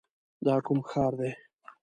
دا کوم ښار دی؟